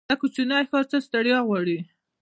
دا کوچينی ښار څه ستړيا غواړي.